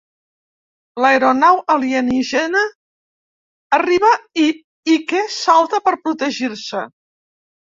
L'aeronau alienígena arriba i Ike salta per protegir-se.